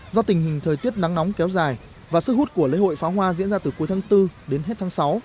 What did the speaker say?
do tình hình thời tiết nắng nóng kéo dài và sức hút của lễ hội phá hoa diễn ra từ cuối tháng bốn đến hết tháng sáu